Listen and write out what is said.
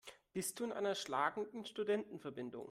Bist du in einer schlagenden Studentenverbindung?